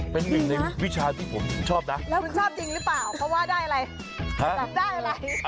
เป็นนึงในวิชาที่ผมชอบนะ